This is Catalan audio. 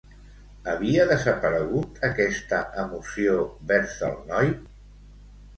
Havia desaparegut aquesta emoció vers el noi?